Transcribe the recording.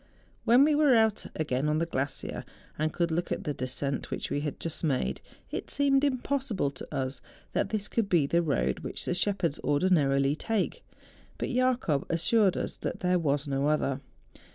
When we were out again on the glacier, and could look at the descent which we had just made, it seemed impos¬ sible to us that this could be the road which the shepherds ordinarily take. But Jacob assured us that there was no other.